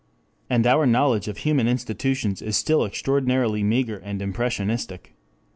And our knowledge of human institutions is still extraordinarily meager and impressionistic.